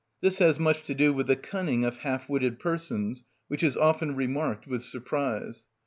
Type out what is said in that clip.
This has much to do with the cunning of half witted persons, which is often remarked with surprise.